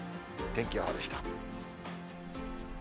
天気予報でした。